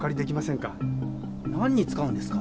なんに使うんですか？